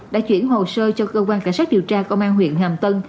đã chuyển hồ sơ cho cơ quan cảnh sát điều tra công an huyện hàm tân